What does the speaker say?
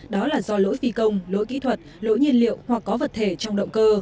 đó là do lỗi phi công lỗi kỹ thuật lỗi nhiên liệu hoặc có vật thể trong động cơ